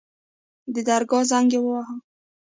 د درګاه زنګ يې وواهه.